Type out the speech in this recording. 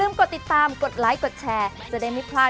เราจะก็ใจร่มน่ะ